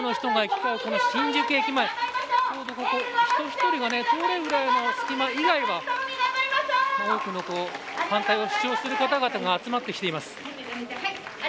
ちょうど、人一人が通れるくらいの隙間以外は多くの、反対を主張する方々が集まってきています。